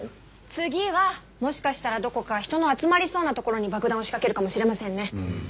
次はもしかしたらどこか人の集まりそうな所に爆弾を仕掛けるかもしれませんね。